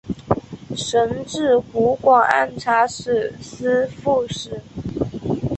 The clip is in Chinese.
仕至湖广按察使司副使。